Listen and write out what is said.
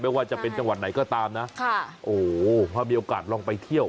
ว่าจะเป็นจังหวัดไหนก็ตามนะค่ะโอ้โหพอมีโอกาสลองไปเที่ยว